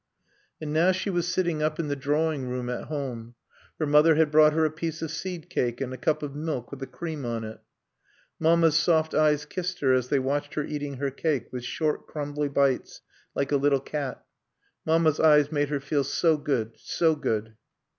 And now she was sitting up in the drawing room at home. Her mother had brought her a piece of seed cake and a cup of milk with the cream on it. Mamma's soft eyes kissed her as they watched her eating her cake with short crumbly bites, like a little cat. Mamma's eyes made her feel so good, so good.